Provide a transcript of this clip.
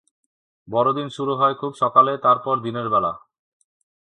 বড়দিন শুরু হয় খুব সকালে, তারপর দিনের বেলা।